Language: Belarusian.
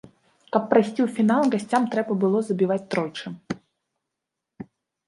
Каб прайсці ў фінал, гасцям трэба было забіваць тройчы.